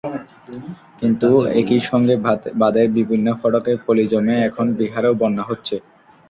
কিন্তু একই সঙ্গে বাঁধের বিভিন্ন ফটকে পলি জমে এখন বিহারেও বন্যা হচ্ছে।